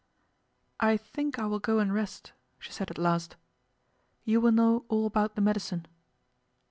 'I think I will go and rest,' she said at last. 'You will know all about the medicine.